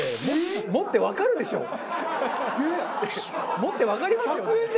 持ってわかりますよね？